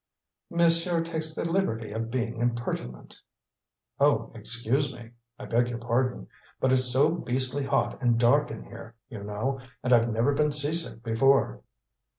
"Monsieur takes the liberty of being impertinent." "Oh, excuse me I beg your pardon. But it's so beastly hot and dark in here, you know, and I've never been seasick before."